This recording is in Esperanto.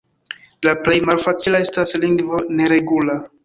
La plej malfacila estas lingvo neregula.